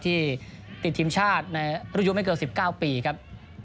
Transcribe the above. ที่ติดทีมชาติในรุ่นยุไม่เกิน๑๙ปีครับ